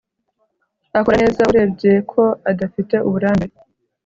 Akora neza urebye ko adafite uburambe